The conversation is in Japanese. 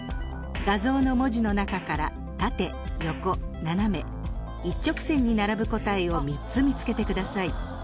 画像の文字の中から縦横斜め一直線に並ぶ答えを３つ見つけてください。